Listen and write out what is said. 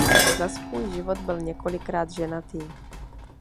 Za svůj život byl několikrát ženatý.